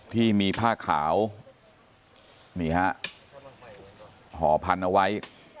ที่มีผ้าขาวนี่ฮะห่อพันเอาไว้